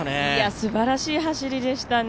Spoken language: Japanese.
すばらしい走りでしたね。